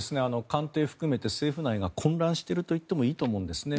官邸含めて政府内が混乱しているといってもいいと思うんですね。